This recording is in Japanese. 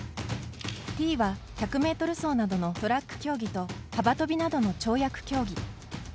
Ｔは、１００ｍ走などのトラック競技と幅跳びなどの跳躍競技。